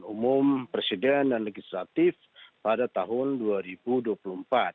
sebab yang menarik itu adalah calon panglima tni yang akan menghadapi pemilihan tni